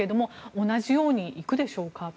同じようにいくでしょうか。